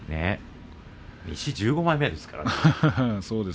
西１５枚目ですからね。